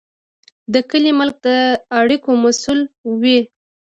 د کلي ملک د اړیکو مسوول وي.